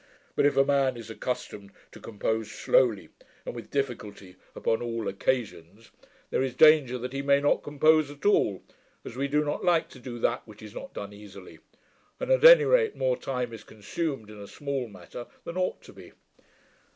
But, if a man is accustomed to compose slowly, and with difficulty, upon all occasions, there is danger that he may not compose at all, as we do not like to do that which is not done easily; and, at any rate, more time is consumed in a small matter than ought to be.'